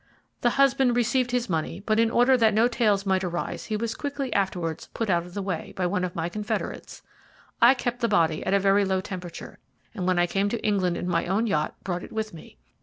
The husband received his money, but in order that no tales might arise he was quickly afterwards put out of the way by one of my confederates. I kept the body at a very low temperature, and when I came to England in my own yacht, brought it with me.